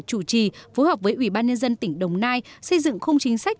chủ trì phù hợp với ủy ban nhân dân tỉnh đồng nai xây dựng không chính sách